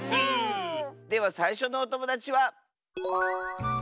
ではさいしょのおともだちは。